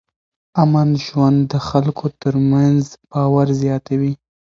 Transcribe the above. امن ژوند د خلکو ترمنځ باور زیاتوي.